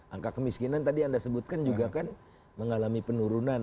angka kemiskinan tadi anda sebutkan juga kan mengalami penurunan